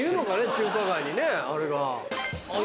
中華街にねあれが。